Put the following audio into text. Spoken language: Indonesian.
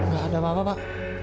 gak ada apa apa pak